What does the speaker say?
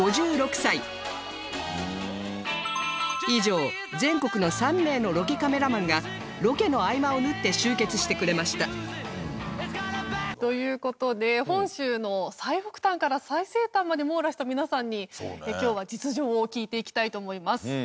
以上全国の３名のロケカメラマンがロケの合間を縫って集結してくれましたという事で本州の最北端から最西端まで網羅した皆さんに今日は実情を聞いていきたいと思います。